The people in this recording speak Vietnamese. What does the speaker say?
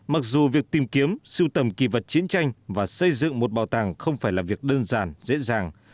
mặc dù việc tìm kiếm siêu tầm kỳ vật chiến tranh và xây dựng một bảo tàng không phải là việc đơn giản dễ dàng